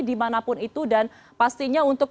dimanapun itu dan pastinya untuk